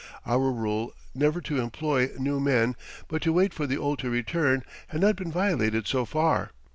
Our rule never to employ new men, but to wait for the old to return, had not been violated so far.